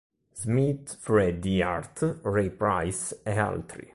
Smith, Freddie Hart, Ray Price e altri.